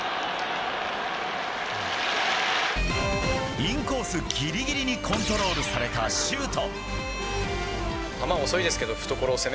インコースギリギリにコントロールされたシュート。